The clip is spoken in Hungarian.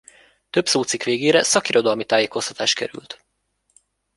Több szócikk végére szakirodalmi tájékoztatás került.